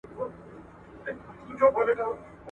لښتې په خپلو شنه سترګو کې مایوسي لرله.